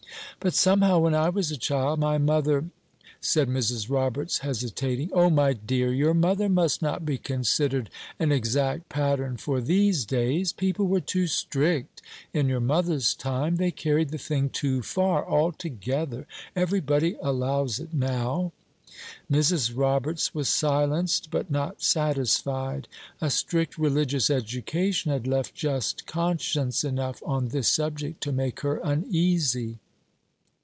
"But, somehow, when I was a child, my mother " said Mrs. Roberts, hesitating. "O my dear, your mother must not be considered an exact pattern for these days. People were too strict in your mother's time; they carried the thing too far, altogether; every body allows it now." Mrs. Roberts was silenced, but not satisfied. A strict religious education had left just conscience enough on this subject to make her uneasy.